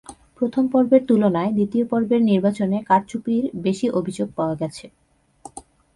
প্রথম পর্বের তুলনায় দ্বিতীয় পর্বের নির্বাচনে কারচুপির বেশি অভিযোগ পাওয়া গেছে।